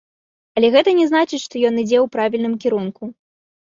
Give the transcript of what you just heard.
Але гэта не значыць, што ён ідзе ў правільным кірунку.